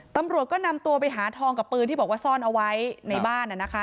ตำรวจก็นำตัวไปหาทองกับปืนที่บอกว่าซ่อนเอาไว้ในบ้าน